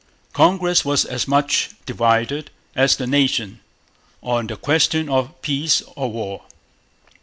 Congress was as much divided as the nation on the question of peace or war.